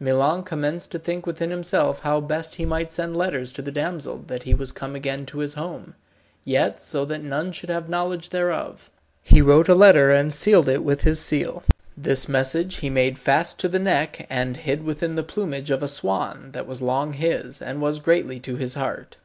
Milon commenced to think within himself how best he might send letters to the damsel that he was come again to his home, yet so that none should have knowledge thereof. He wrote a letter, and sealed it with his seal. This message he made fast to the neck, and hid within the plumage of a swan that was long his, and was greatly to his heart.